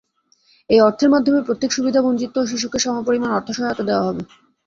এই অর্থের মাধ্যমে প্রত্যেক সুবিধাবঞ্চিত শিশুকে সমপরিমাণ অর্থসহায়তা দেওয়া হবে।